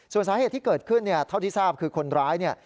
ส่วนสาเหตุที่เกิดขึ้นเท่าที่ทราบคือคนร้าย